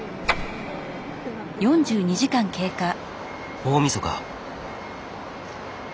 大みそか。